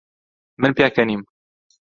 من پێکەنیم.